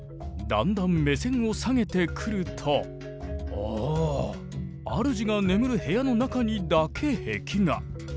だんだん目線を下げてくるとおお主が眠る部屋の中にだけ壁画。